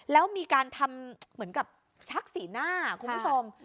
แล้วมีการทำเหมือนกับชักสีหน้าคุณผู้ชม